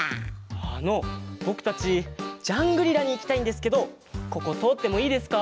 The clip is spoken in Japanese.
あのぼくたちジャングリラにいきたいんですけどこことおってもいいですか？